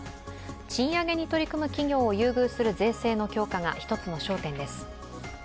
賃上げに取り組む企業を優遇する税制の強化が１つの焦点です。